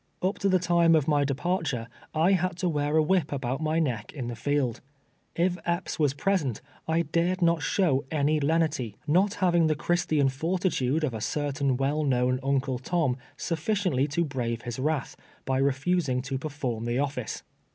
r[> to the time of my de parture I liad to wear a whip about my neck in the iield. If Ep[>s was present, I dared not show any lenity, not having the Christian t'ortilude of a certain ■\vell known Uncle Tom sufficiently to hravehis wrath, by refusing to perform the office.